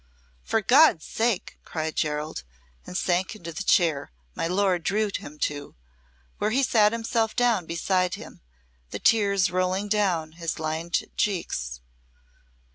"For God's sake!" cried Gerald, and sank into the chair my lord drew him to, where he sat himself down beside him, the tears rolling down his lined cheeks.